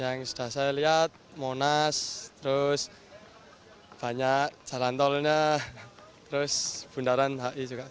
yang sudah saya lihat monas terus banyak jalan tolnya terus bundaran hi juga